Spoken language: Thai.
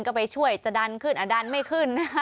ก็ไปช่วยจะดันขึ้นอ่ะดันไม่ขึ้น